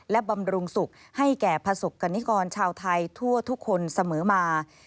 และบำรุงสุขให้แก่ประสบกรณิกรชาวไทยทั่วทุกคนเสมอมา